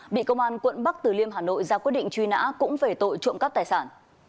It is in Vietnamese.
bị công an quận bắc từ liêm hà nội ra quyết định truy nã cũng về tội trộm cắp tài sản